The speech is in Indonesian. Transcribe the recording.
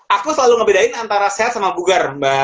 aku selalu ngebedain antara sehat sama bugar mbak